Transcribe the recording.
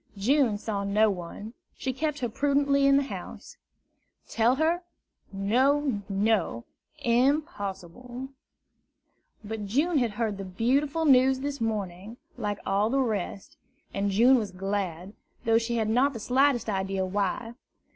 June saw no one; she kept her prudently in the house. Tell her? No, no, impossible! But June had heard the beautiful news this morning, like all the rest; and June was glad, though she had not the slightest idea why.